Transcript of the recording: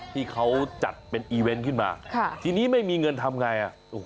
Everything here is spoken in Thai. ที่เขาจัดเป็นอีเวนต์ขึ้นมาทีนี้ไม่มีเงินทำไง